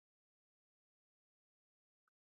الماري د خلکو د طبعیت په اساس جوړیږي